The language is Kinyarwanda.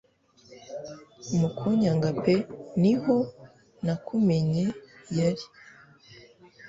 Mu kunyanga pe ni ho nakumenye yr